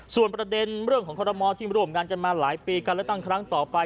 ส่วนประเด็นเรื่องของคอรมอลที่ร่วมงานกันมาหลายปีการเลือกตั้งครั้งต่อไป